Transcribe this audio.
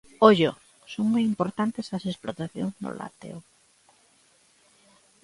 ¡Ollo!, son moi importantes as explotacións no lácteo.